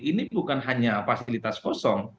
ini bukan hanya fasilitas kosong